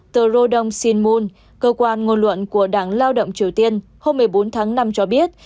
tờ rodong shinmun cơ quan ngôn luận của đảng lao động triều tiên hôm một mươi bốn tháng năm cho biết